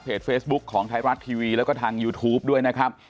เฟซบุ๊คของไทยรัฐทีวีแล้วก็ทางยูทูปด้วยนะครับ